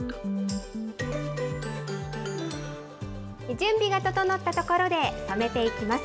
準備が整ったところで、染めていきます。